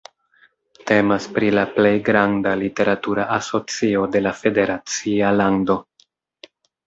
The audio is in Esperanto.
Temas pri la plej granda literatura asocio de la federacia lando.